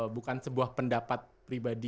bukan sebuah pendapat pribadi